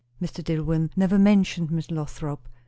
Mr. Dillwyn never mentioned Miss Lothrop.